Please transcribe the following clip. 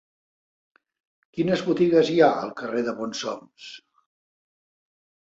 Quines botigues hi ha al carrer de Bonsoms?